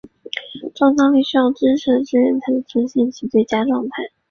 创造力需要知识的支援才能呈现其最佳状态。